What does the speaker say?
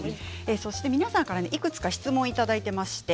皆さんからいくつか質問をいただいています。